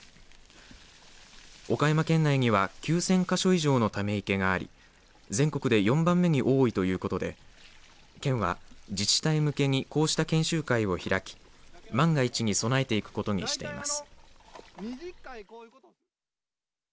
岡山県内には９０００か所以上のため池があり全国で４番目に多いということで県は自治体向けにこうした研修会を開き万が一に備えていくことにしています。